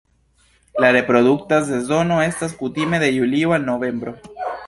La reprodukta sezono estas kutime de julio al novembro.